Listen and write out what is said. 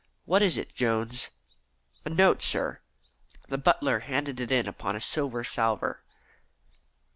What is it, Jones?" "A note, sir." The butler handed it in upon a silver salver.